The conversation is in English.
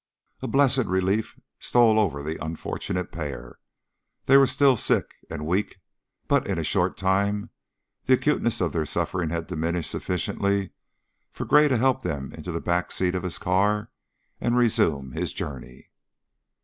A blessed relief stole over the unfortunate pair; they were still sick and weak, but in a short time the acuteness of their suffering had diminished sufficiently for Gray to help them into the back seat of his car and resume his journey.